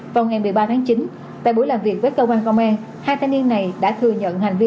vào ngày một mươi ba tháng chín tại buổi làm việc với cơ quan công an hai thanh niên này đã thừa nhận hành vi